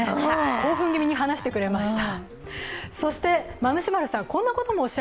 興奮気味に話してくれました。